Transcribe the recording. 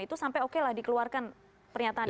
itu sampai oke lah dikeluarkan pernyataan itu